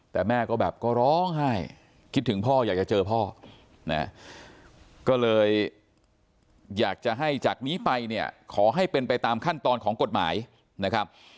แต่แม่ก็แบบก็ร้องไห้คิดถึงพ่ออยากจะเจอพ่อนะก็เลยอยากจะให้จากนี้ไปเนี่ยขอให้เป็นไปตามขั้นตอนของกฎหมายนะครับ